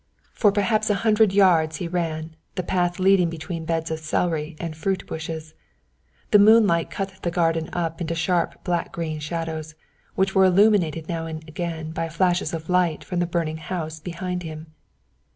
For perhaps a hundred yards he ran, the path leading between beds of celery and fruit bushes. The moonlight cut the garden up into sharp black green shadows, which were illuminated now and again by flashes of light from the burning house behind him.